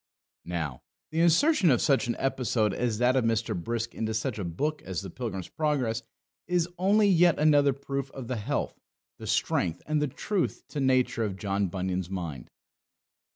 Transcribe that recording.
Now, the insertion of such an episode as that of Mr. Brisk into such a book as the Pilgrim's Progress is only yet another proof of the health, the strength, and the truth to nature of John Bunyan's mind.